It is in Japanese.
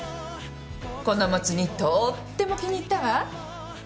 このもつ煮とーっても気に入ったわ。